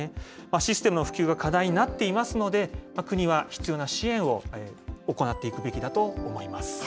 システムの普及が課題になっていますので、国は必要な支援を行っていくべきだと思います。